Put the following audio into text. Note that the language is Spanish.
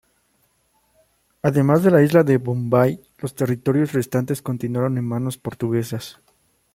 Además de la isla de Bombay, los territorios restantes continuaron en manos portuguesas.